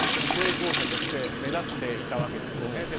成功者として目立っていたわけですよね。